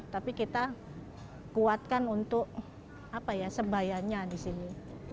tapi kita kuatkan untuk apa ya sebayanya di sini